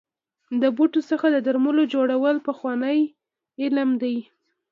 د بوټو څخه د درملو جوړول پخوانی علم دی.